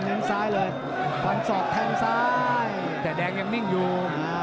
ดังอย่างนิ่งอยู่